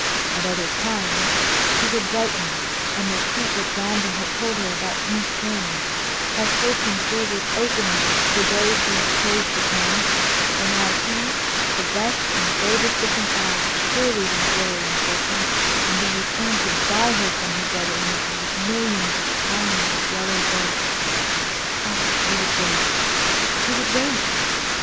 At other times she would brighten, and repeat what Brandon had told her about New Spain; how fortune's door was open there to those who chose to come, and how he, the best and bravest of them all, would surely win glory and fortune, and then return to buy her from her brother Henry with millions of pounds of yellow gold. Ah, she would wait! She would wait!